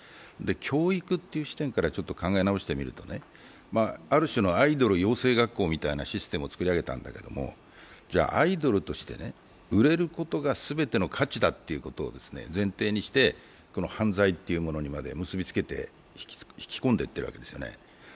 教育っていう視点から一度考え直してみると、ある種のアイドル養成学校みたいなシステムを作り上げたんだけれど、アイドルとして売れることが全ての価値だということを前提として犯罪というものにまで結びつけて引き込んでいってるわけですよね。